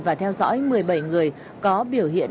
và theo dõi một mươi bảy người có biểu hiện